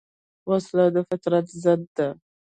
وسله د فطرت ضد ده